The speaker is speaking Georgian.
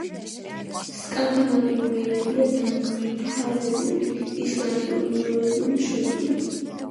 სკანდინავიური ენებია დანიური, ფარერული, ისლანდიური, ნორვეგიული, შვედური.